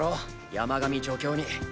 山上助教に。